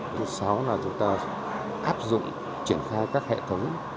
thứ sáu là chúng ta áp dụng triển khai các hệ thống